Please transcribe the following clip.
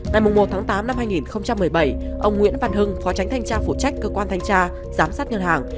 ngày một tám hai nghìn một mươi bảy ông nguyễn văn hưng phó tránh thanh tra phụ trách cơ quan thanh tra giám sát ngân hàng